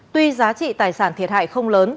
tuy giá trị tài sản thiệt hại không lớn